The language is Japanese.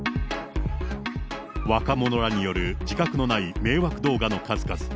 若者らによる自覚のない迷惑動画の数々。